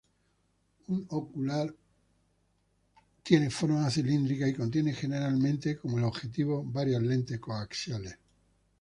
Un ocular tiene forma cilíndrica y contiene generalmente, como el objetivo, varias lentes coaxiales.